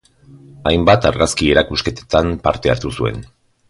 Hainbat argazki erakusketetan parte hartu zuen.